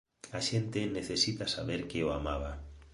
A xente necesita saber que o amaba.